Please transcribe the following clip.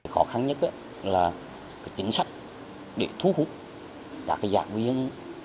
khó khăn nhất là chính sách để thu hút các giảng viên